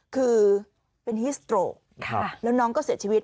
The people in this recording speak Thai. คือเป็นฮีสโตรกแล้วน้องก็เสียชีวิต